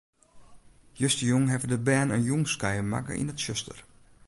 Justerjûn hawwe de bern in jûnskuier makke yn it tsjuster.